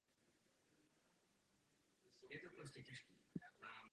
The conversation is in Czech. Ten byl během tatrských vpádů vypálen.